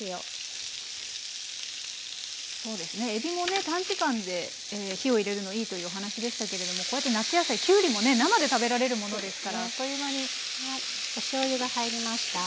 えびもね短時間で火を入れるのいいというお話でしたけれどもこうやって夏野菜きゅうりもね生で食べられるものですからあっという間に。